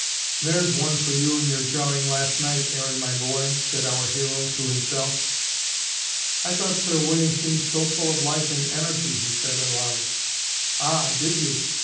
"There's one for you and your jawing last night, Aaron, my boy!" said our hero to himself. "I thought Sir William seemed so full of life and energy," he said, aloud. "Ah, did you!